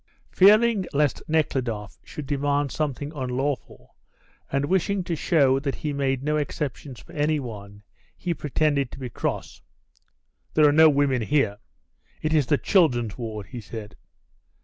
Fearing lest Nekhludoff should demand something unlawful, and wishing to show that he made no exceptions for any one, he pretended to be cross. "There are no women here; it is the children's ward," he said.